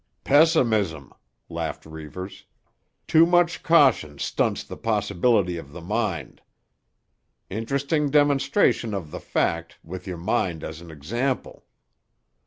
"Pessimism!" laughed Reivers. "Too much caution stunts the possibility of the mind. Interesting demonstration of the fact, with your mind as an example."